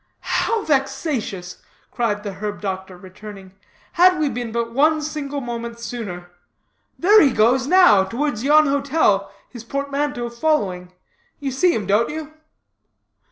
"How vexatious!" exclaimed the herb doctor, returning. "Had we been but one single moment sooner. There he goes, now, towards yon hotel, his portmanteau following. You see him, don't you?"